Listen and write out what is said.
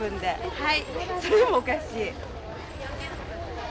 はい。